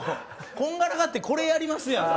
こんがらがってこれやりますやん。